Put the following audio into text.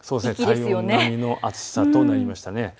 体温並みの暑さとなりましたね。